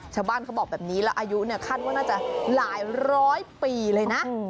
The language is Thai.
ชาวบ้านเขาบอกแบบนี้แล้วอายุเนี่ยคาดว่าน่าจะหลายร้อยปีเลยนะ